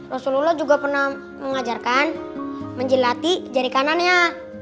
rasulullah juga pernah mengajarkan menjelati jari kanannya